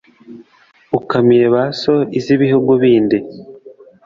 ukamiye ba so iz’ibihugu bindi.